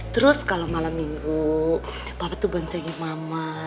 terus kalau malam minggu papa tuh banjengin mama